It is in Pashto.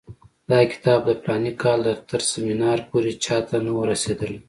دا کتاب د فلاني کال تر سیمینار پورې چا ته نه وو رسېدلی.